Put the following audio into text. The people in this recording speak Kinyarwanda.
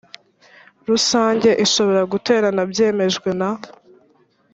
Rusange ishobora guterana byemejwe na